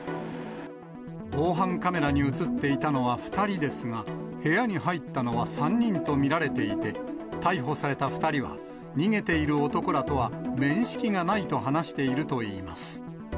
防犯カメラに写っていたのは２人ですが、部屋に入ったのは３人と見られていて、逮捕された２人は、逃げている男らとは面識がないと話しているといいます。